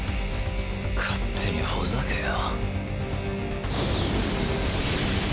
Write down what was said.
勝手にほざけよ。